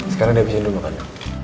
sekarang dia abisin dulu makan ya